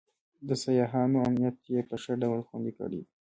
د سیاحانو امنیت یې په ښه ډول خوندي کړی دی.